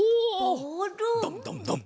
ドンドンドン。